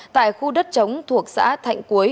tại khu đất trống thuộc xã thạnh cuối